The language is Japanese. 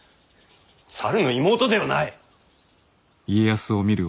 猿の妹ではない。